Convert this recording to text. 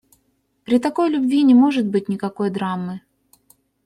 При такой любви не может быть никакой драмы.